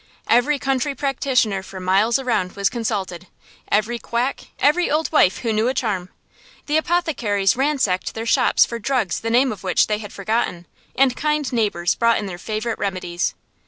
Every country practitioner for miles around was consulted, every quack, every old wife who knew a charm. The apothecaries ransacked their shops for drugs the names of which they had forgotten, and kind neighbors brought in their favorite remedies.